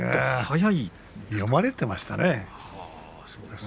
読まれていましたね。